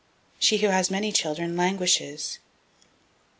She who has many children languishes.